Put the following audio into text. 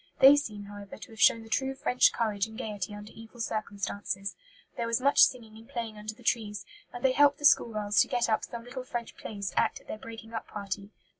They seem, however, to have shown the true French courage and gaiety under evil circumstances. There was much singing and playing under the trees; and they helped the school girls to get up some little French plays to act at their breaking up party.